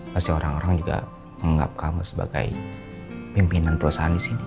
pasti orang orang juga menganggap kamu sebagai pimpinan perusahaan di sini